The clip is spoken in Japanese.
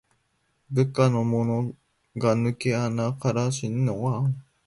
部下のものがぬけ穴からしのんできて、ちょうどその穴の入り口にある塔を、なんのぞうさもなく持ちさったというわけですよ。